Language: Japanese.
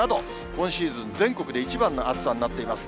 今シーズン全国で一番の暑さになっています。